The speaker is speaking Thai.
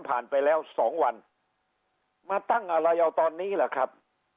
ไปแล้วสองวันมาตั้งอะไรเอาตอนนี้ล่ะครับ